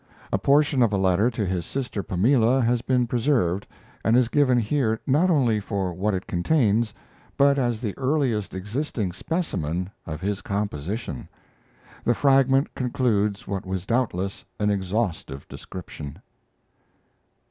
A portion of a letter to his sister Pamela has been preserved and is given here not only for what it contains, but as the earliest existing specimen of his composition. The fragment concludes what was doubtless an exhaustive description.